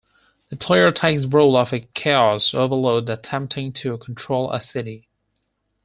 The player takes the role of a Chaos Overlord attempting to control a city.